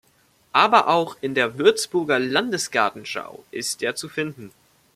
Aber auch in der Würzburger Landesgartenschau ist er zu finden.